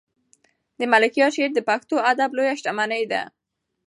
د ملکیار شعر د پښتو ادب یوه لویه شتمني ده.